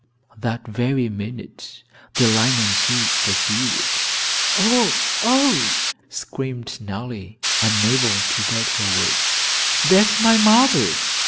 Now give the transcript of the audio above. That very minute the linen suit appeared. "Oh, oh!" screamed Nellie, unable to get her words. "There is my mother!"